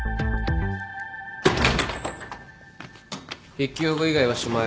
筆記用具以外はしまえ。